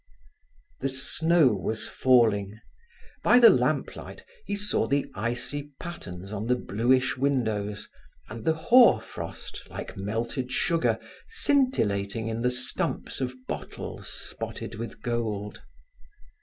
The snow was falling. By the lamp light, he saw the icy patterns on the bluish windows, and the hoar frost, like melted sugar, scintillating in the stumps of bottles spotted with gold.